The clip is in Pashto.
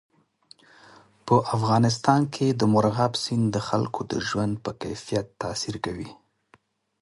په افغانستان کې مورغاب سیند د خلکو د ژوند په کیفیت تاثیر کوي.